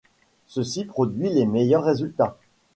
Ceci produit les meilleurs résultats.